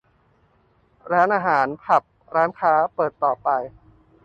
- ร้านอาหาร ผับ ร้านค้า เปิดต่อไป